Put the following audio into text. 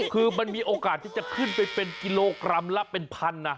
คือมันมีโอกาสที่จะขึ้นไปเป็นกิโลกรัมละเป็นพันนะ